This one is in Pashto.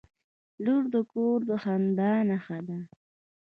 • لور د کور د خندا نښه ده.